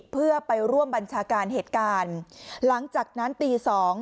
เพื่อไปร่วมบัญชาการเหตุการณ์หลังจากนั้นตีสอง